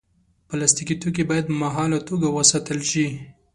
پلاستيکي توکي باید مهاله توګه وساتل شي.